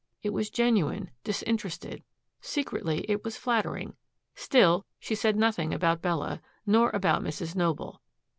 It was genuine, disinterested. Secretly, it was flattering. Still, she said nothing about Bella, nor about Mrs. Noble.